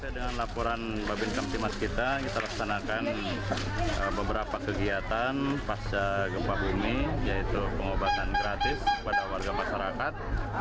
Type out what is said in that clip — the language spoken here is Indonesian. dengan laporan babin kamtimas kita kita laksanakan beberapa kegiatan pasca gempa bumi yaitu pengobatan gratis pada warga masyarakat